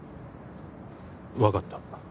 分かった